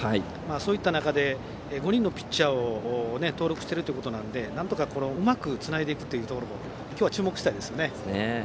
そういった中で５人のピッチャーを登録しているのでなんとか、うまくつないでいくというところを今日は注目したいですね。